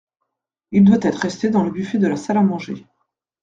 Il doit être resté dans le buffet de la salle à manger.